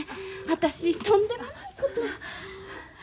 私とんでもないことを。